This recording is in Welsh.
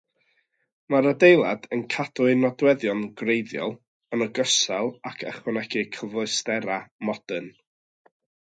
Mae'r adeilad yn cadw ei nodweddion gwreiddiol yn ogystal ag ychwanegu cyfleusterau modern.